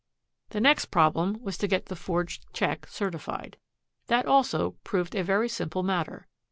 The next problem was to get the forged check certified. That, also, proved a very simple matter.